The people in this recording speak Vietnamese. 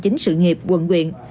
chính sự nghiệp quận quyền